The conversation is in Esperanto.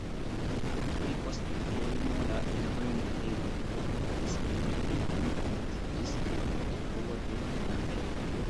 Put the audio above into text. Tuj post Vilhelmo la Konkerinto kaptis Anglion komenciĝis konstruo de monaĥejo.